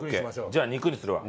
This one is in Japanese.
じゃあ肉にするわ。